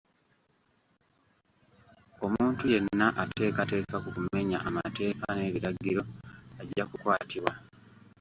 Omuntu yenna ateekateka ku kumenya amateeka n'ebiragiro ajja kukwatibwa.